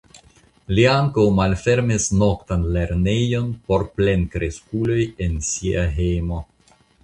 Li ankaŭ malfermis "noktan lernejon" por plenkreskuloj en sia hejmo.